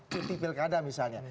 cuti pilkada misalnya